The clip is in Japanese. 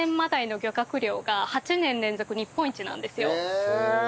へえ！